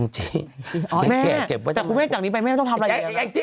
แต่คุณแม่จากนี้ไปต้องทำอะไร